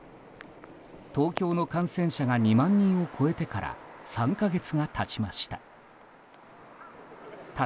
東京の感染者が、２万人を超えてから３か月が経ちました。